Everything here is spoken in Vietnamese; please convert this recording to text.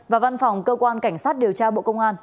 và văn phòng cơ quan cảnh sát điều tra bộ công an